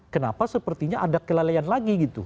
kenapa sepertinya ada kelalaian lagi gitu